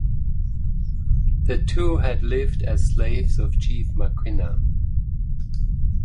The two had lived as slaves of Chief Maquinna.